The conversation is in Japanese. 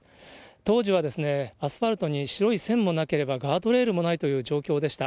当時はアスファルトに白い線もなければ、ガードレールもないという状況でした。